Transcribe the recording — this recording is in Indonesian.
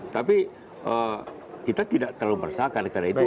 tapi kita tidak terlalu bersalah karena itu